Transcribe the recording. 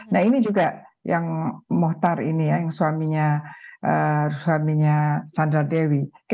nah ini juga yang mohtar ini ya yang suaminya suaminya sandra dewi